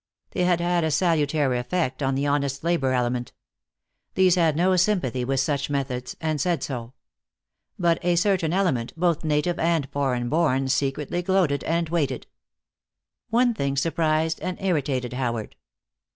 They had had a salutary effect on the honest labor element. These had no sympathy with such methods and said so. But a certain element, both native and foreign born, secretly gloated and waited. One thing surprised and irritated Howard.